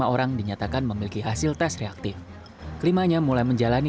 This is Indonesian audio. untuk bilik yang ada di gedung ptsb ini